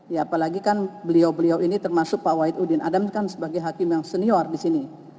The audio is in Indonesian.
ya apalagi kan beliau beliau ini termasuk pak wahid udin adam kan sebagai hakim yang senior di sini